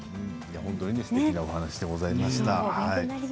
すてきなお話でございました。